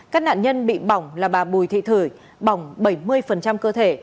các nạn nhân bị bỏng là bà bùi thị thử bỏng bảy mươi cơ thể